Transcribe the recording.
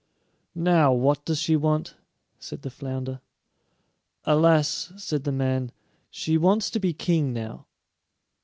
"Now, what does she want?" said the flounder. "Alas," said the man, "she wants to be king now."